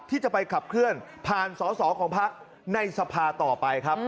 ที่จะไปขับเคลื่อนผ่านสอสอของพักในสภาต่อไปครับ